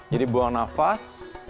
jadi buang nafas